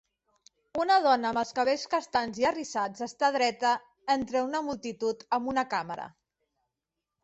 Una dona amb els cabells castanys i arrissats està dreta entre una multitud amb una càmera.